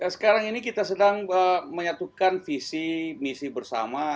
sekarang ini kita sedang menyatukan visi misi bersama